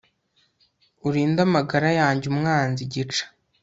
urinde amagara yanjye umwanzi gica